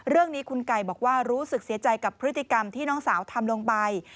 เรื่องนี้คุณไก่บอกว่ารู้สึกเสียใจกับพฤติกรรมที่น้องสาวทำลงไป